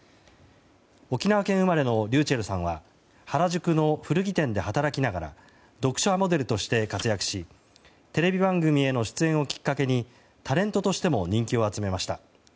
沖縄県生まれのｒｙｕｃｈｅｌｌさんは原宿の古着店で働きながら読者モデルとして活躍しテレビ番組への出演をきっかけにタレントとしても人気を集めました。